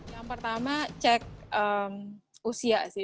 yang pertama cek usia